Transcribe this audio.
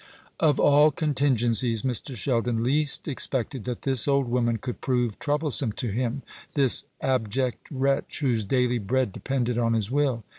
Of all contingencies Mr. Sheldon least expected that this old woman could prove troublesome to him this abject wretch, whose daily bread depended on his will.